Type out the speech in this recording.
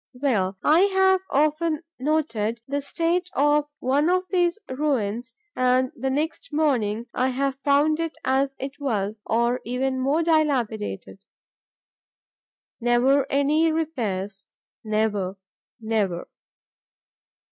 Well, I have often noted the state of one of these ruins and, the next morning, I have found it as it was, or even more dilapidated. Never any repairs; never; never.